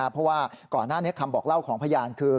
เพราะว่าก่อนหน้านี้คำบอกเล่าของพยานคือ